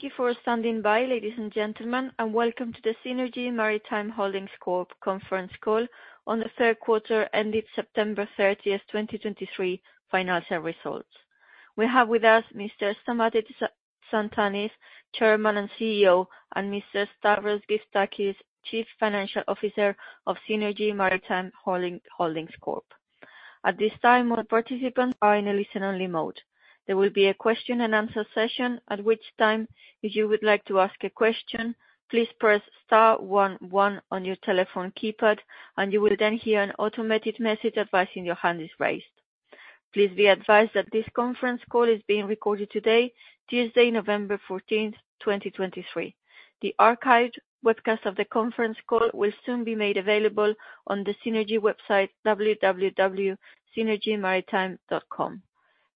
Thank you for standing by, ladies and gentlemen, and welcome to the Seanergy Maritime Holdings Corp. conference call on the third quarter, ended September 30, 2023 financial results. We have with us Mr. Stamatis Tsantanis, Chairman and CEO, and Mr. Stavros Gyftakis, Chief Financial Officer of Seanergy Maritime Holdings Corp. At this time, all participants are in a listen-only mode. There will be a question and answer session, at which time, if you would like to ask a question, please press star one one on your telephone keypad, and you will then hear an automated message advising your hand is raised. Please be advised that this conference call is being recorded today, Tuesday, November 14, 2023. The archived webcast of the conference call will soon be made available on the Seanergy website, www.seanergymaritime.com.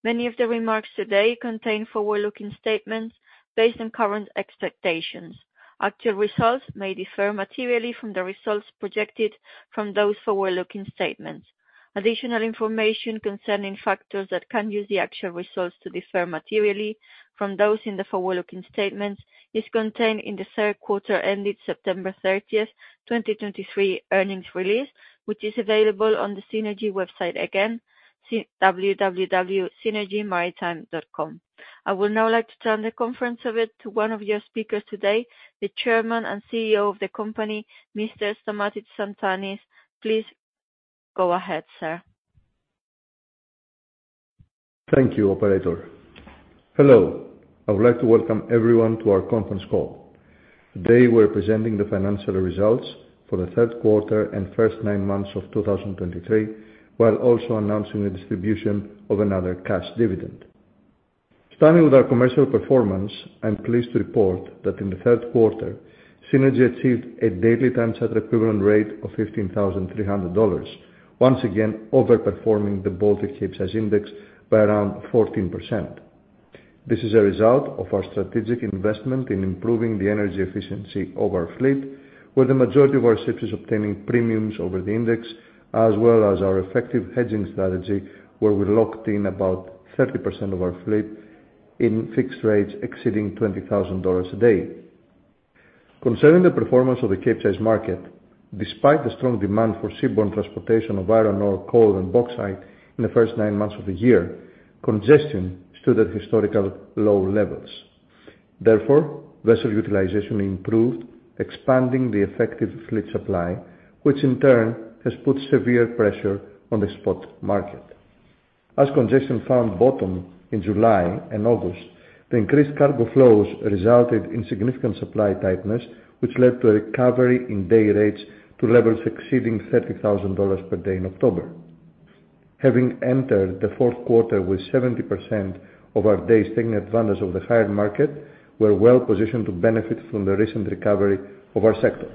Many of the remarks today contain forward-looking statements based on current expectations. Actual results may differ materially from the results projected from those forward-looking statements. Additional information concerning factors that can cause the actual results to differ materially from those in the forward-looking statements is contained in the third quarter, ended September 30, 2023 earnings release, which is available on the Seanergy website again, www.seanergymaritime.com. I would now like to turn the conference over to one of your speakers today, the Chairman and CEO of the company, Mr. Stamatis Tsantanis. Please go ahead, sir. Thank you, operator. Hello. I would like to welcome everyone to our conference call. Today, we're presenting the financial results for the third quarter and first nine months of 2023, while also announcing the distribution of another cash dividend. Starting with our commercial performance, I'm pleased to report that in the third quarter, Seanergy achieved a daily time charter equivalent rate of $15,300, once again overperforming the Baltic Capesize Index by around 14%. This is a result of our strategic investment in improving the energy efficiency of our fleet where the majority of our ships is obtaining premiums over the index, as well as our effective hedging strategy, where we locked in about 30% of our fleet in fixed rates exceeding $20,000 a day. Concerning the performance of the Capesize market, despite the strong demand for seaborne transportation of iron ore, coal, and bauxite in the first nine months of the year, congestion stood at historical low levels. Therefore, vessel utilization improved, expanding the effective fleet supply, which in turn has put severe pressure on the spot market. As congestion found bottom in July and August, the increased cargo flows resulted in significant supply tightness, which led to a recovery in day rates to levels exceeding $30,000 per day in October. Having entered the fourth quarter with 70% of our days taking advantage of the higher market, we're well positioned to benefit from the recent recovery of our sector.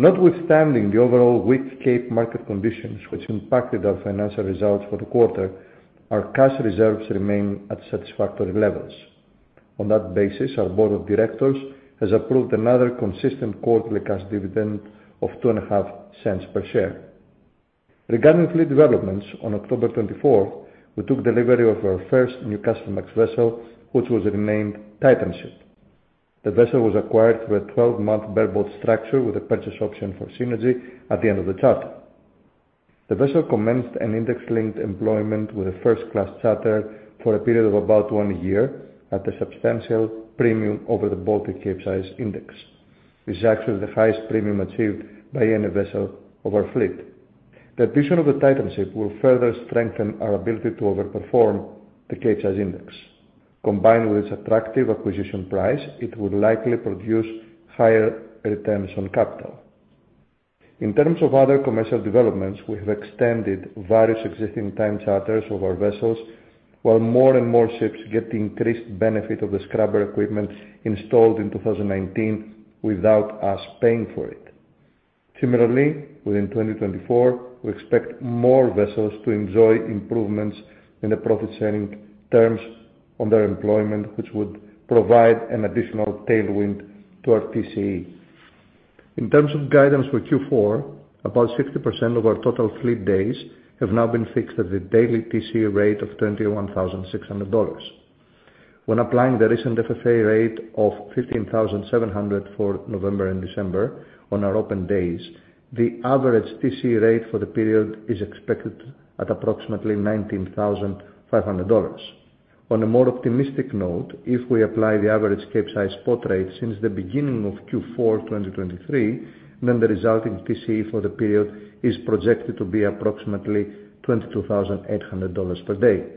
Notwithstanding the overall weak Cape market conditions, which impacted our financial results for the quarter, our cash reserves remain at satisfactory levels. On that basis, our board of directors has approved another consistent quarterly cash dividend of $0.025 per share. Regarding fleet developments, on October 24, we took delivery of our first new Newcastlemax vessel, which was renamed Titanship. The vessel was acquired through a 12-month bareboat charter with a purchase option for Seanergy at the end of the charter. The vessel commenced an index-linked employment with a first-class charter for a period of about one year at a substantial premium over the Baltic Capesize Index. This is actually the highest premium achieved by any vessel of our fleet. The addition of the Titanship will further strengthen our ability to overperform the Capesize Index. Combined with its attractive acquisition price, it will likely produce higher returns on capital. In terms of other commercial developments, we have extended various existing time charters of our vessels, while more and more ships get the increased benefit of the scrubber equipment installed in 2019 without us paying for it. Similarly, within 2024, we expect more vessels to enjoy improvements in the profit-sharing terms on their employment, which would provide an additional tailwind to our TCE. In terms of guidance for Q4, about 60% of our total fleet days have now been fixed at the daily TCE rate of $21,600. When applying the recent FFA rate of $15,700 for November and December on our open days, the average TCE rate for the period is expected at approximately $19,500. On a more optimistic note, if we apply the average Capesize spot rate since the beginning of Q4 2023, then the resulting TCE for the period is projected to be approximately $22,800 per day.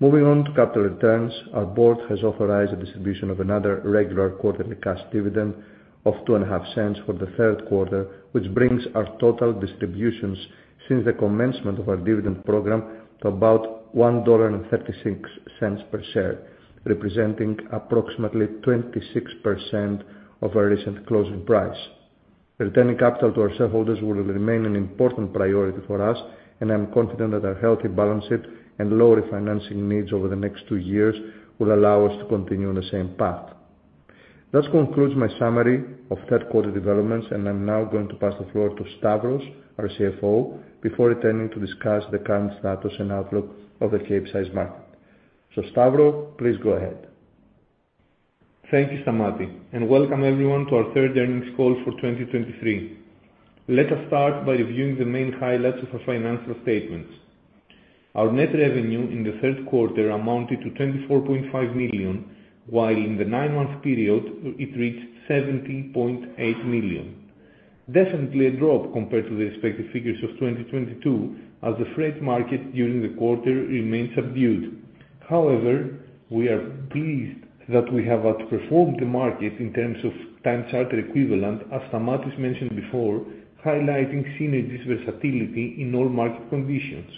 Moving on to capital returns, our board has authorized the distribution of another regular quarterly cash dividend of $0.025 for the third quarter, which brings our total distributions since the commencement of our dividend program to about $1.36 per share, representing approximately 26% of our recent closing price. Returning capital to our shareholders will remain an important priority for us, and I'm confident that our healthy balance sheet and low refinancing needs over the next two years will allow us to continue on the same path. That concludes my summary of third quarter developments, and I'm now going to pass the floor to Stavros, our CFO, before returning to discuss the current status and outlook of the Capesize market. Stavros please go ahead. Thank you, Stamatis, and welcome everyone to our third earnings call for 2023. Let us start by reviewing the main highlights of our financial statements. Our net revenue in the third quarter amounted to $24.5 million, while in the nine-month period, it reached $17.8 million. Definitely a drop compared to the respective figures of 2022, as the freight market during the quarter remained subdued. However, we are pleased that we have outperformed the market in terms of time charter equivalent, as Stamatis mentioned before, highlighting Seanergy's versatility in all market conditions.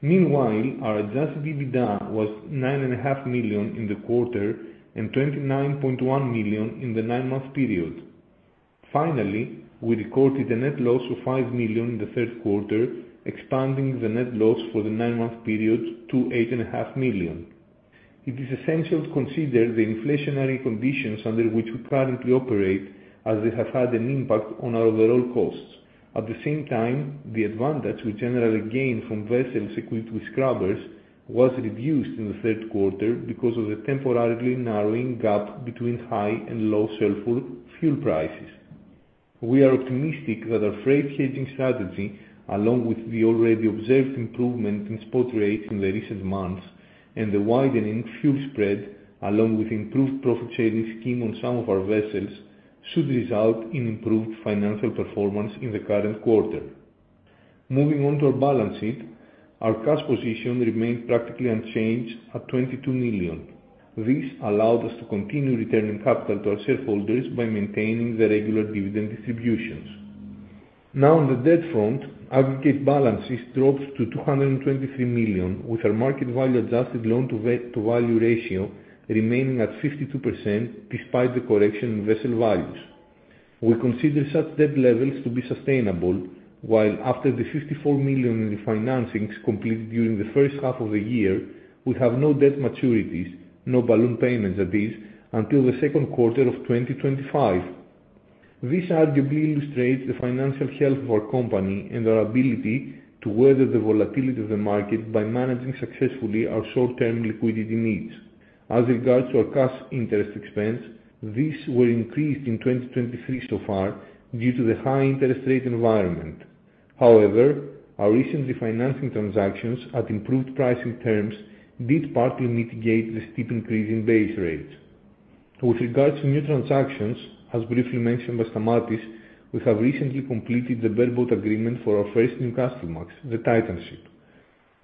Meanwhile our adjusted EBITDA was $9.5 million in the quarter and $29.1 million in the nine-month period. Finally, we recorded a net loss of $5 million in the third quarter, expanding the net loss for the nine-month period to $8.5 million. It is essential to consider the inflationary conditions under which we currently operate, as they have had an impact on our overall costs. At the same time, the advantage we generally gain from vessels equipped with scrubbers was reduced in the third quarter because of the temporarily narrowing gap between high and low sulfur fuel prices. We are optimistic that our freight hedging strategy, along with the already observed improvement in spot rates in the recent months and the widening fuel spread, along with improved profit sharing scheme on some of our vessels, should result in improved financial performance in the current quarter. Moving on to our balance sheet, our cash position remained practically unchanged at $22 million. This allowed us to continue returning capital to our shareholders by maintaining the regular dividend distributions. Now, on the debt front, aggregate balances dropped to $223 million, with our market value-adjusted loan-to-value ratio remaining at 52%, despite the correction in vessel values. We consider such debt levels to be sustainable, while after the $54 million in financings completed during the first half of the year, we have no debt maturities, no balloon payments, that is until the second quarter of 2025. This arguably illustrates the financial health of our company and our ability to weather the volatility of the market by managing successfully our short-term liquidity needs. As regards to our cash interest expense, these were increased in 2023 so far due to the high interest rate environment. However, our recent refinancing transactions at improved pricing terms did partly mitigate the steep increase in base rates. With regards to new transactions, as briefly mentioned by Stamatis, we have recently completed the bareboat agreement for our first new Newcastlemax, the Titanship.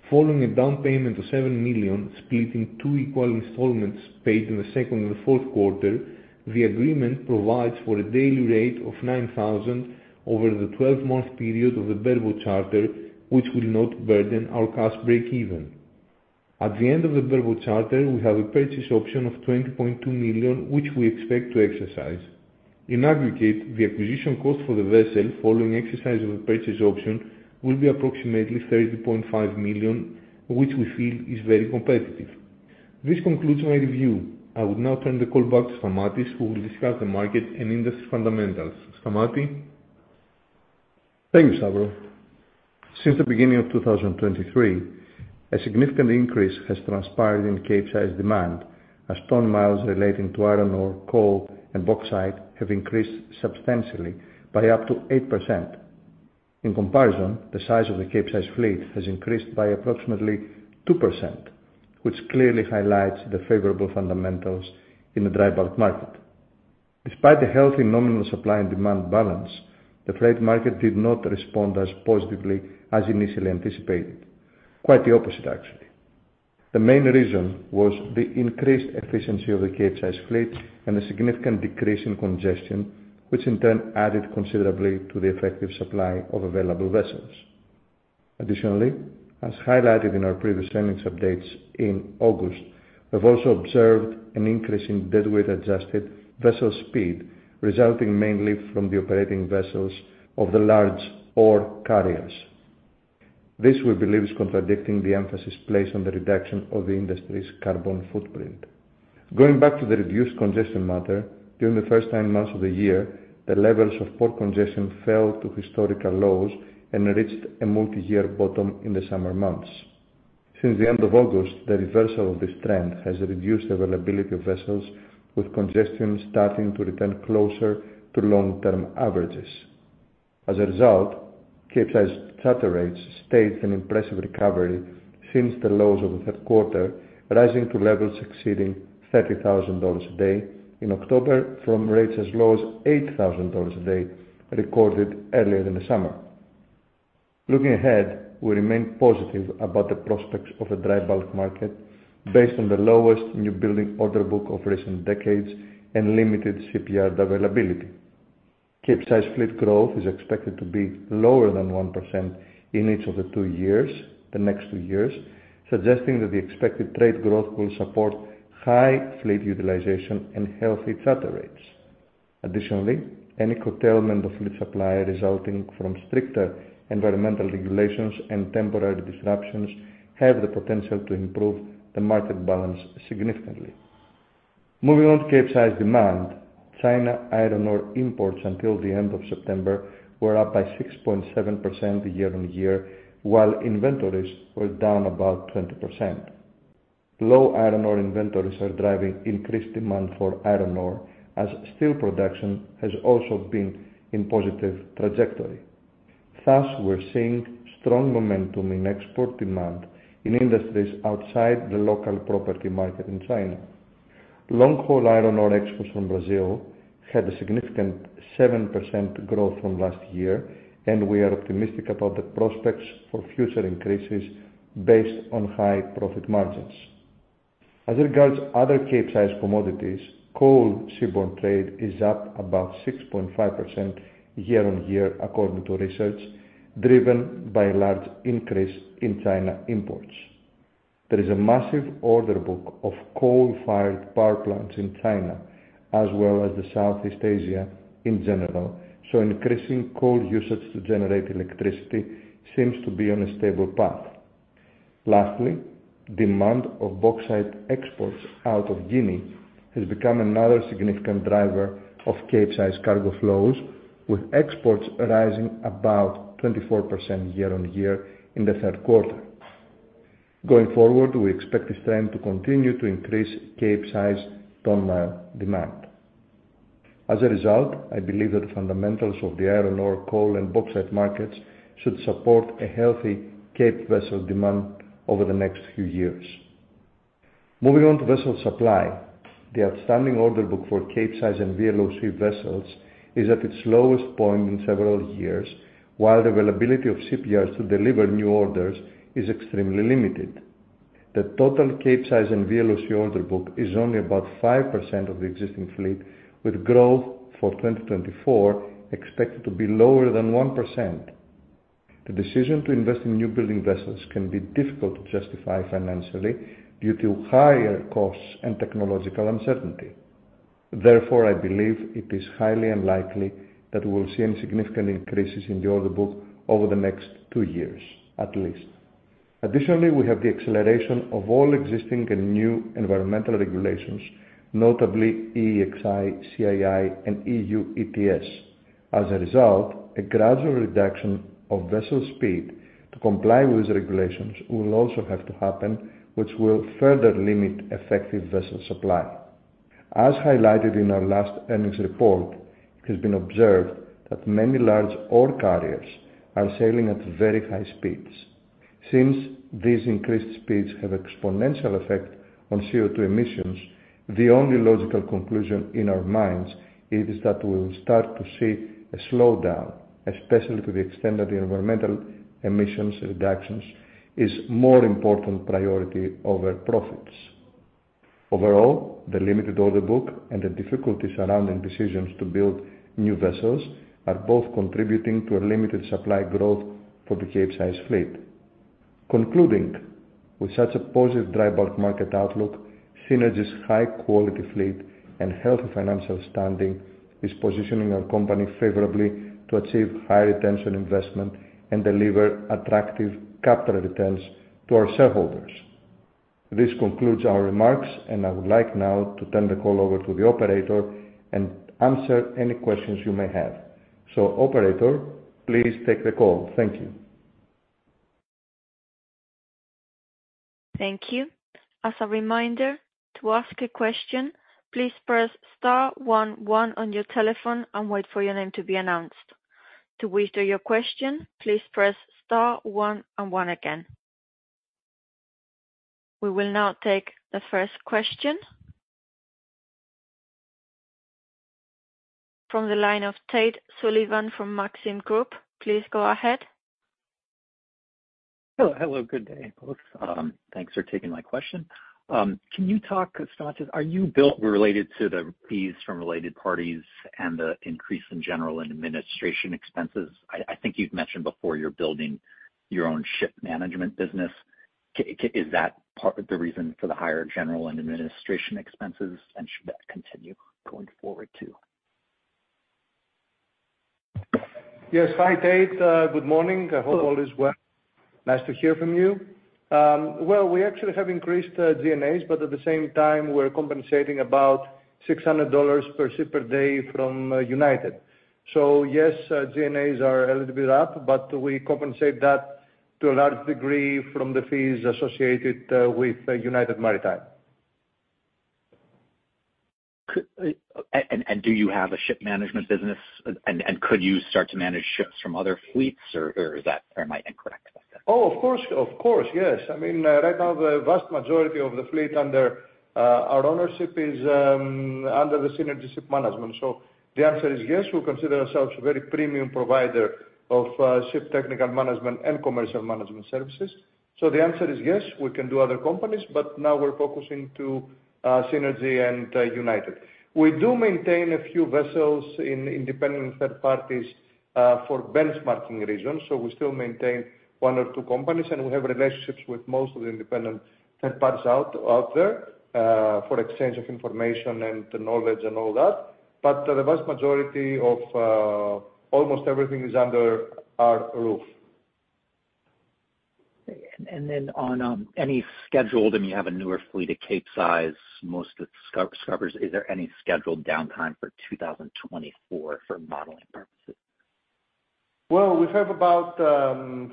Following a down payment of $7 million, split in two equal installments paid in the second and the fourth quarter, the agreement provides for a daily rate of $9,000 over the 12-month period of the bareboat charter, which will not burden our cash break-even. At the end of the bareboat charter, we have a purchase option of $20.2 million, which we expect to exercise. In aggregate, the acquisition cost for the vessel following exercise of the purchase option will be approximately $30.5 million, which we feel is very competitive. This concludes my review. I would now turn the call back to Stamatis, who will discuss the market and industry fundamentals. Stamatis? Thank you, Stavros. Since the beginning of 2023, a significant increase has transpired in Capesize demand, as ton miles relating to iron ore, coal, and bauxite have increased substantially by up to 8%. In comparison, the size of the Capesize fleet has increased by approximately 2% which clearly highlights the favorable fundamentals in the dry bulk market. Despite the healthy nominal supply and demand balance, the trade market did not respond as positively as initially anticipated. Quite the opposite, actually. The main reason was the increased efficiency of the Capesize fleet and a significant decrease in congestion, which in turn added considerably to the effective supply of available vessels. Additionally, as highlighted in our previous earnings updates in August we've also observed an increase in deadweight-adjusted vessel speed, resulting mainly from the operating vessels of the large ore carriers. This, we believe, is contradicting the emphasis placed on the reduction of the industry's carbon footprint. Going back to the reduced congestion matter, during the first nine months of the year, the levels of port congestion fell to historical lows and reached a multi-year bottom in the summer months. Since the end of August, the reversal of this trend has reduced the availability of vessels, with congestion starting to return closer to long-term averages. As a result, Capesize charter rates stayed an impressive recovery since the lows of the third quarter rising to levels exceeding $30,000 a day in October from rates as low as $8,000 a day, recorded earlier in the summer. Looking ahead, we remain positive about the prospects of the dry bulk market based on the lowest newbuilding order book of recent decades and limited shipyard availability. Capesize fleet growth is expected to be lower than 1% in each of the two years, the next two years, suggesting that the expected trade growth will support high fleet utilization and healthy charter rates.... Additionally, any curtailment of fleet supply resulting from stricter environmental regulations and temporary disruptions have the potential to improve the market balance significantly. Moving on to Capesize demand China iron ore imports until the end of September were up by 6.7% year-on-year, while inventories were down about 20%. Low iron ore inventories are driving increased demand for iron ore, as steel production has also been in positive trajectory. Thus, we're seeing strong momentum in export demand in industries outside the local property market in China. Long-haul iron ore exports from Brazil had a significant 7% growth from last year, and we are optimistic about the prospects for future increases based on high profit margins. As regards other Capesize commodities, coal seaborne trade is up about 6.5% year-on-year, according to research, driven by a large increase in China imports. There is a massive order book of coal-fired power plants in China, as well as the Southeast Asia in general, so increasing coal usage to generate electricity seems to be on a stable path. Lastly, demand of bauxite exports out of Guinea has become another significant driver of Capesize cargo flows, with exports rising about 24% year-on-year in the third quarter. Going forward we expect this trend to continue to increase Capesize ton-mile demand. As a result, I believe that the fundamentals of the iron ore, coal, and bauxite markets should support a healthy Capesize vessel demand over the next few years. Moving on to vessel supply, the outstanding order book for Capesize and VLOC vessels is at its lowest point in several years, while the availability of shipyards to deliver new orders is extremely limited. The total Capesize and VLOC order book is only about 5% of the existing fleet, with growth for 2024 expected to be lower than 1%. The decision to invest in newbuilding vessels can be difficult to justify financially due to higher costs and technological uncertainty. Therefore, I believe it is highly unlikely that we will see any significant increases in the order book over the next two years, at least. Additionally, we have the acceleration of all existing and new environmental regulations, notably EEXI, CII, and EU ETS. As a result, a gradual reduction of vessel speed to comply with regulations will also have to happen, which will further limit effective vessel supply. As highlighted in our last earnings report, it has been observed that many large ore carriers are sailing at very high speeds. Since these increased speeds have exponential effect on CO2 emissions, the only logical conclusion in our minds is that we'll start to see a slowdown, especially to the extent that the environmental emissions reductions is more important priority over profits. Overall, the limited order book and the difficulties surrounding decisions to build new vessels are both contributing to a limited supply growth for the Capesize fleet. Concluding, with such a positive dry bulk market outlook, Seanergy's high-quality fleet and healthy financial standing is positioning our company favorably to achieve high returns on investment and deliver attractive capital returns to our shareholders. This concludes our remarks and I would like now to turn the call over to the operator and answer any questions you may have. Operator, please take the call. Thank you. Thank you. As a reminder, to ask a question, please press star one one on your telephone and wait for your name to be announced. To withdraw your question please press star one and one again. We will now take the first question. From the line of Tate Sullivan from Maxim Group, please go ahead. Hello, hello, good day folks. Thanks for taking my question. Can you talk, Stamatis, about the build related to the fees from related parties and the increase in general and administrative expenses? I think you've mentioned before you're building your own ship management business. Is that part of the reason for the higher general and administrative expenses, and should that continue going forward, too? Yes. Hi, Tate. Good morning. I hope all is well. Nice to hear from you. Well we actually have increased G&As, but at the same time, we're compensating about $600 per ship per day from United. So yes, G&As are a little bit up, but we compensate that to a large degree from the fees associated with United Maritime. Do you have a ship management business? Could you start to manage ships from other fleets, or is that, or am I incorrect about that? Oh, of course, of course. Yes. I mean, right now, the vast majority of the fleet under our ownership is under the Seanergy Shipmanagement. So the answer is yes, we consider ourselves a very premium provider of ship technical management and commercial management services. So the answer is yes, we can do other companies, but now we're focusing to Seanergy and United. We do maintain a few vessels in independent third parties for benchmarking reasons. So we still maintain one or two companies, and we have relationships with most of the independent third parties out there for exchange of information and knowledge and all that. But the vast majority of almost everything is under our roof. And then on any scheduled, I mean, you have a newer fleet of Capesize, most of it scrubbers, is there any scheduled downtime for 2024 for modeling purposes? Well, we have about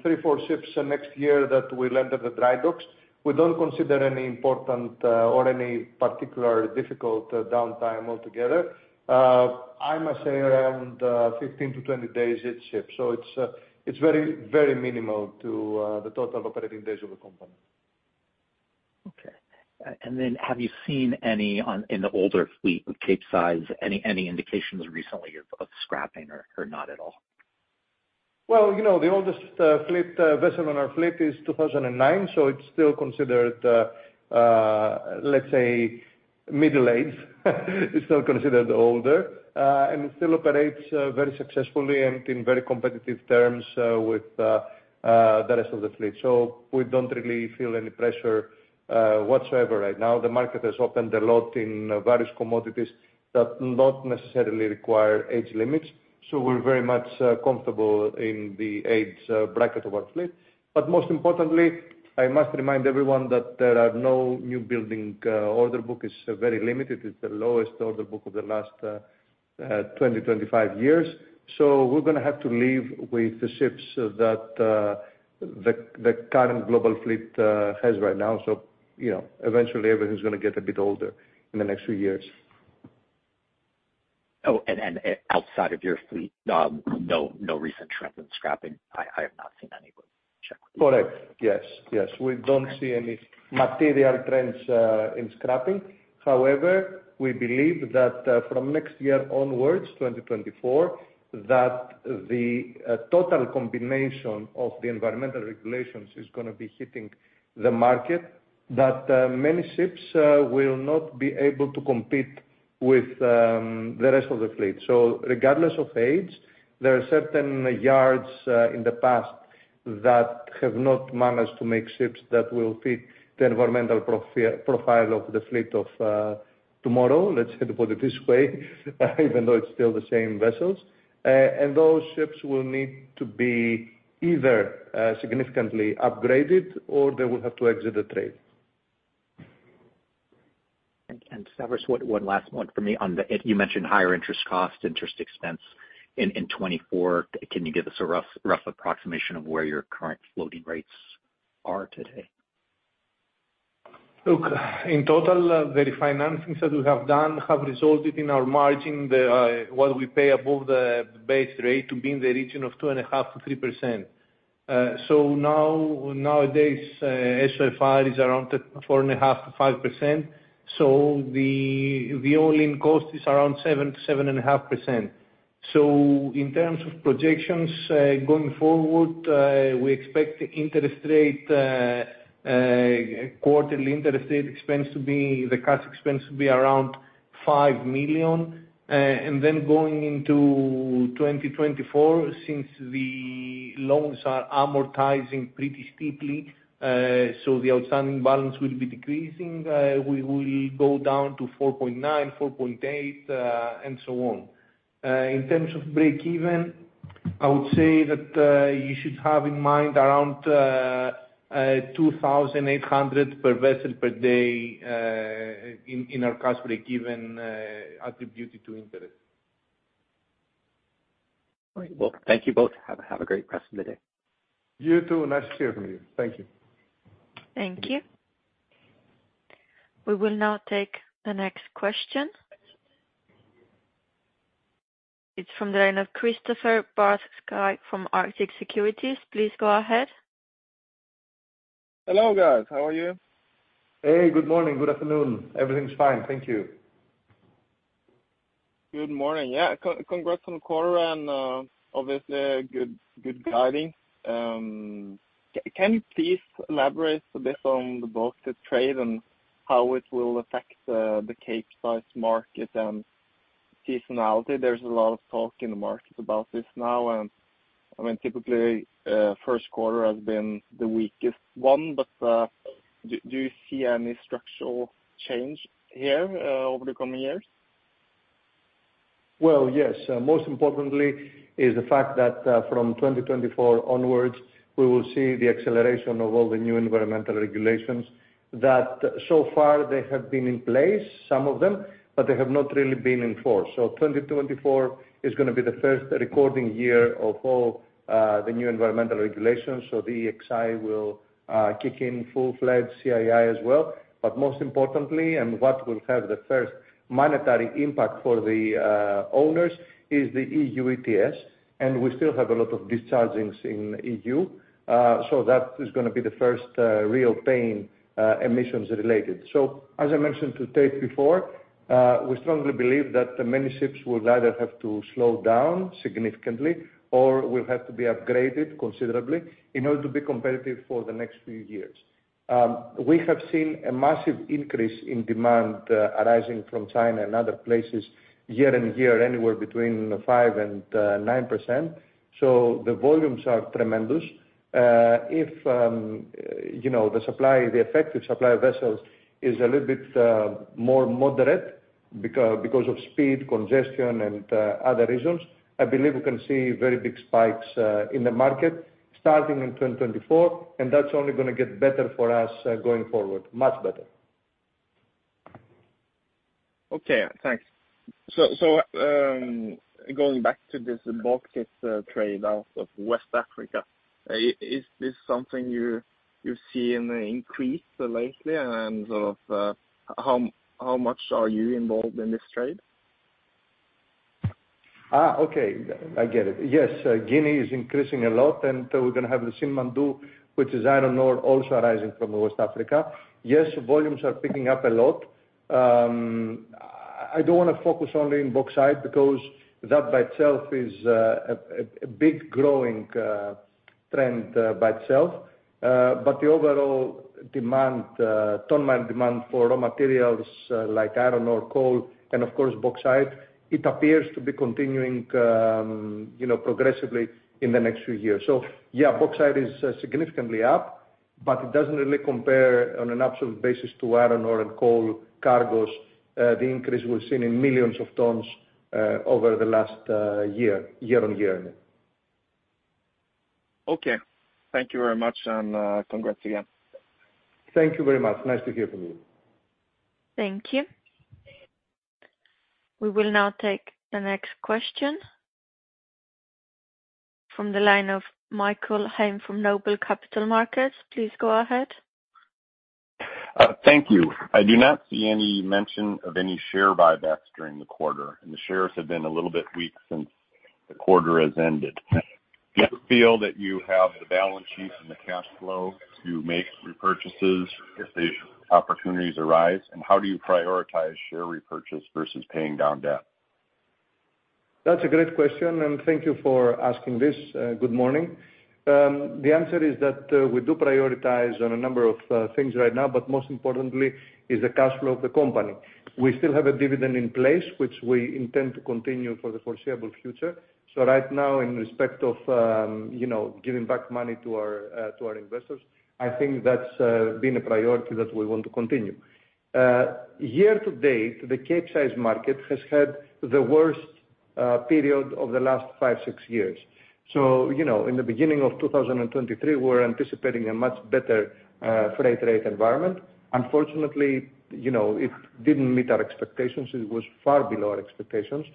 three or four ships next year that will enter the dry docks. We don't consider any important or any particular difficult downtime altogether. I must say around 15-20 days each ship. So it's very very minimal to the total operating days of the company. Okay. And then have you seen any in the older fleet of Capesize, indications recently of scrapping or not at all? Well, you know, the oldest fleet vessel on our fleet is 2009, so it's still considered, let's say middle-aged. It's not considered older and it still operates very successfully and in very competitive terms with the rest of the fleet. So we don't really feel any pressure whatsoever right now. The market has opened a lot in various commodities that not necessarily require age limits, so we're very much comfortable in the age bracket of our fleet. But most importantly, I must remind everyone that there are no newbuilding order book is very limited. It's the lowest order book of the last 20-25 years. So we're gonna have to live with the ships that the current global fleet has right now. You know, eventually everything's gonna get a bit older in the next few years. Oh, and outside of your fleet, no recent trend in scrapping? I have not seen any but check. Correct. Yes, yes. We don't see any material trends in scrapping. However, we believe that from next year onwards, 2024, that the total combination of the environmental regulations is gonna be hitting the market, that many ships will not be able to compete with the rest of the fleet. So regardless of age, there are certain yards in the past that have not managed to make ships that will fit the environmental profile of the fleet of tomorrow, let's say, to put it this way, even though it's still the same vessels. And those ships will need to be either significantly upgraded or they will have to exit the trade. Stavros, one last one for me. You mentioned higher interest cost, interest expense in 2024. Can you give us a rough approximation of where your current floating rates are today? Look, in total, the financings that we have done have resulted in our margin, the, what we pay above the base rate to be in the region of 2.5%-3%. So nowadays, SOFR is around 4.5%-5%, so the, the all-in cost is around 7%-7.5%. So in terms of projections, going forward, we expect the interest rate, quarterly interest rate expense to be, the cash expense to be around $5 million. And then going into 2024, since the loans are amortizing pretty steeply, so the outstanding balance will be decreasing, we will go down to 4.9, 4.8, and so on. In terms of breakeven, I would say that you should have in mind around $2,800 per vessel per day in our cash breakeven attributed to interest. All right. Well, thank you both. Have a, have a great rest of the day. You too. Nice hearing you. Thank you. Thank you. We will now take the next question. It's from the line of Kristoffer Barth Skeie from Arctic Securities. Please go ahead. Hello guys. How are you? Hey, good morning. Good afternoon. Everything's fine, thank you. Good morning. Yeah, congrats on the quarter and, obviously good good guiding. Can you please elaborate a bit on the bulk of trade and how it will affect, the Capesize market and seasonality? There's a lot of talk in the market about this now, and I mean, typically, first quarter has been the weakest one, but do you see any structural change here, over the coming years? Well, yes. Most importantly is the fact that, from 2024 onwards, we will see the acceleration of all the new environmental regulations that so far they have been in place, some of them, but they have not really been enforced. So 2024 is gonna be the first recording year of all, the new environmental regulations. So the EEXI will kick in full-fledged CII as well. But most importantly, and what will have the first monetary impact for the owners, is the EU ETS and we still have a lot of dischargings in EU, so that is gonna be the first, real pain, emissions related. So, as I mentioned to Tate before, we strongly believe that many ships will either have to slow down significantly or will have to be upgraded considerably in order to be competitive for the next few years. We have seen a massive increase in demand, arising from China and other places year on year, anywhere between 5% and 9%, so the volumes are tremendous. You know, the supply, the effective supply of vessels is a little bit more moderate because of speed, congestion and other reasons. I believe we can see very big spikes in the market starting in 2024, and that's only gonna get better for us, going forward. Much better. Okay, thanks. So, going back to this bauxite trade out of West Africa, is this something you see an increase lately, and sort of, how much are you involved in this trade? Yes, Guinea is increasing a lot, and we're gonna have the Simandou, which is iron ore also arising from West Africa. Yes, volumes are picking up a lot. I don't wanna focus only in bauxite because that by itself is a big growing trend by itself. But the overall demand, ton-mile demand for raw materials like iron ore, coal, and of course bauxite, it appears to be continuing, you know, progressively in the next few years. So yeah, bauxite is significantly up, but it doesn't really compare on an absolute basis to iron ore and coal cargos. The increase we're seeing in millions of tons over the last year, year-on-year, I mean. Okay. Thank you very much, and, congrats again. Thank you very much. Nice to hear from you. Thank you. We will now take the next question from the line of Michael Heim from Noble Capital Markets. Please go ahead. Thank you. I do not see any mention of any share buybacks during the quarter, and the shares have been a little bit weak since the quarter has ended. Do you feel that you have the balance sheet and the cash flow to make repurchases if these opportunities arise? And how do you prioritize share repurchase versus paying down debt? That's a great question, and thank you for asking this. Good morning. The answer is that we do prioritize on a number of things right now, but most importantly is the cash flow of the company. We still have a dividend in place, which we intend to continue for the foreseeable future. So right now, in respect of, you know, giving back money to our, to our investors, I think that's been a priority that we want to continue. Year to date, the Capesize market has had the worst period of the last 5-6 years. So, you know, in the beginning of 2023, we were anticipating a much better freight rate environment. Unfortunately, you know, it didn't meet our expectations. It was far below our expectations.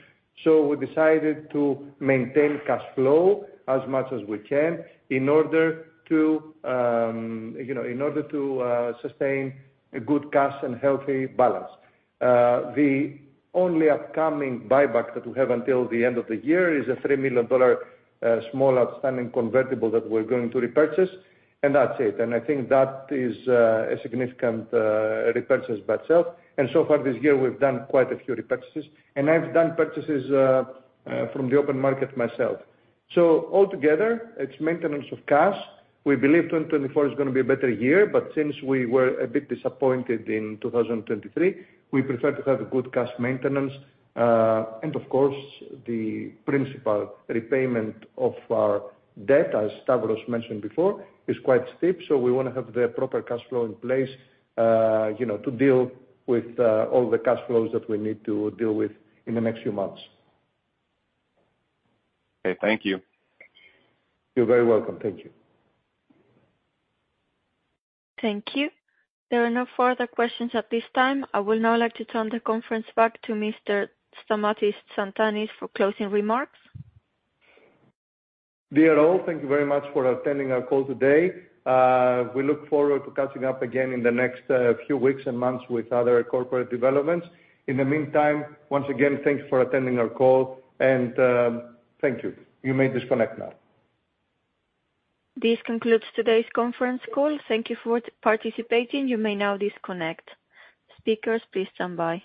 So we decided to maintain cash flow as much as we can in order to, you know, in order to sustain a good cash and healthy balance. The only upcoming buyback that we have until the end of the year is a $3 million small outstanding convertible that we're going to repurchase, and that's it. And I think that is a significant repurchase by itself. And so far this year, we've done quite a few repurchases, and I've done purchases from the open market myself. So altogether, it's maintenance of cash. We believe 2024 is gonna be a better year, but since we were a bit disappointed in 2023, we prefer to have good cash maintenance. And of course, the principal repayment of our debt, as Stavros mentioned before is quite steep, so we wanna have the proper cash flow in place, you know, to deal with all the cash flows that we need to deal with in the next few months. Okay. Thank you. You're very welcome. Thank you. Thank you. There are no further questions at this time. I would now like to turn the conference back to Mr. Stamatis Tsantanis for closing remarks. Dear all, thank you very much for attending our call today. We look forward to catching up again in the next few weeks and months with other corporate developments. In the meantime, once again, thank you for attending our call and, thank you. You may disconnect now. This concludes today's conference call. Thank you for participating. You may now disconnect. Speakers, please stand by.